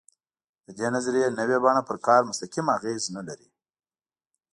د دې نظریې نوې بڼه پر کار مستقیم اغېز نه لري.